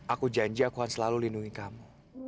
aku janji aku akan selalu lindungi kamu